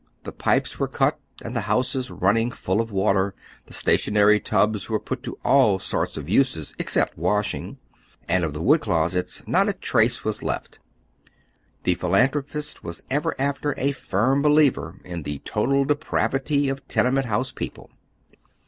The pipes were cut and tire houses running full of water, tlie stationary tubs were put to all sorts of uses except oy Google 274 HOW Tilt: OTiJiiK kalf lives. washing, aiiJ of tlie wood closeta not a trace was left. The philaatliropist was ever after a firm believer in the total depravity of tenement house people.